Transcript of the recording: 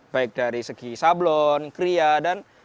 baik dari segi sablon kria dan